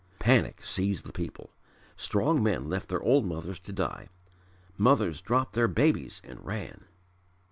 Panic seized the people. Strong men left their old mothers to die. Mothers dropped their babies and ran.